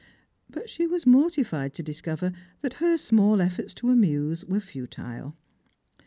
But she was mortified to discover that her small efiForts to amuse were futile.